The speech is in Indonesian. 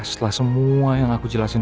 setelah semua yang aku jelasin